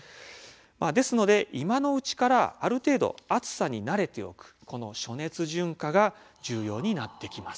ですので今のうちからある程度、暑さに慣れておくこの暑熱順化が重要になってきます。